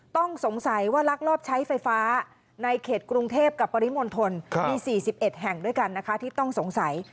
ต้องสงสัยว่าลักลอบใช้ไฟฟ้าในเขตกรุงเทพกับปริมณฑลมี๔๑แห่งด้วยกันนะคะที่ต้องสงสัย